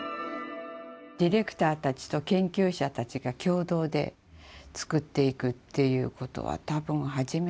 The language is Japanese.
ディレクターたちと研究者たちが共同で作っていくっていうことは多分初めてだったんじゃないかしら。